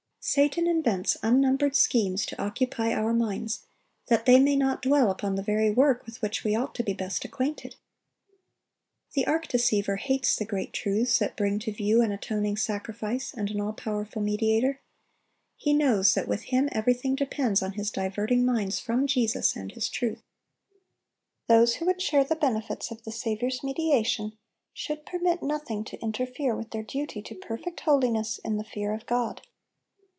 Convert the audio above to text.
Satan invents unnumbered schemes to occupy our minds, that they may not dwell upon the very work with which we ought to be best acquainted. The arch deceiver hates the great truths that bring to view an atoning sacrifice and an all powerful Mediator. He knows that with him everything depends on his diverting minds from Jesus and His truth. Those who would share the benefits of the Saviour's mediation should permit nothing to interfere with their duty to perfect holiness in the fear of God.